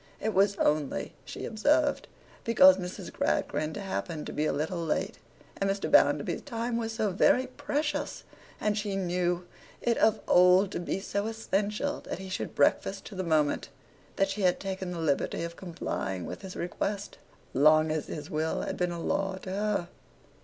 It was only (she observed) because Miss Gradgrind happened to be a little late, and Mr. Bounderby's time was so very precious, and she knew it of old to be so essential that he should breakfast to the moment, that she had taken the liberty of complying with his request; long as his will had been a law to her.